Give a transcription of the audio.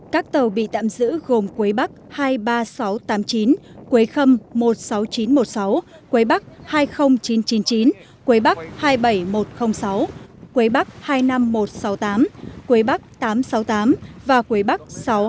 các tàu bị tạm giữ gồm quế bắc hai mươi ba nghìn sáu trăm tám mươi chín quế khâm một mươi sáu nghìn chín trăm một mươi sáu quế bắc hai mươi nghìn chín trăm chín mươi chín quế bắc hai mươi bảy nghìn một trăm linh sáu quế bắc hai mươi năm nghìn một trăm sáu mươi tám quế bắc tám trăm sáu mươi tám và quế bắc sáu trăm hai mươi ba